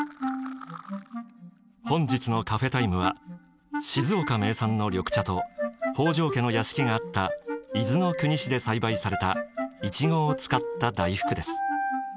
本日のカフェタイムは静岡名産の緑茶と北条家の屋敷があった伊豆の国市で栽培されたイチゴを使った大福です。